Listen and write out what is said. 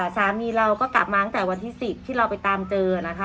สามีเราก็กลับมาตั้งแต่วันที่๑๐ที่เราไปตามเจอนะคะ